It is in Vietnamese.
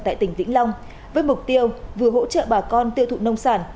tại tỉnh vĩnh long với mục tiêu vừa hỗ trợ bà con tiêu thụ nông sản